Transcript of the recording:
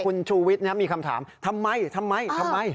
คุณชูวิทย์มีคำถามทำไมทำไม